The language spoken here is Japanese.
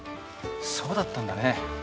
そうだったんだね。